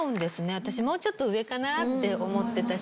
私もうちょっと上かなって思ってたし。